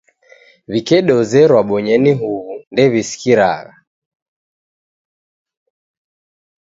Wikedozerwa bonyenyi huw'u, ndew'sikiragha.